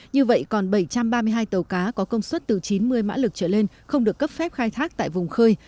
như vậy còn bảy trăm ba mươi hai tàu cá có công suất từ chín mươi mã lực trở lên không được cấp phép khai thác tại vùng khơi